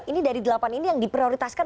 ini dari delapan ini yang diprioritaskan